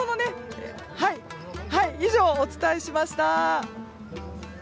以上、お伝えしました。